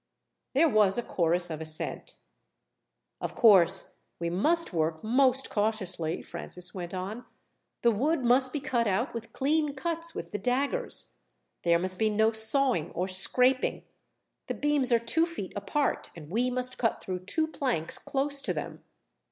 There was a chorus of assent. "Of course we must work most cautiously," Francis went on. "The wood must be cut out with clean cuts with the daggers. There must be no sawing or scraping. The beams are two feet apart, and we must cut through two planks close to them.